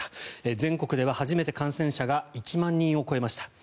全国では初めて感染者が１万人を超えました。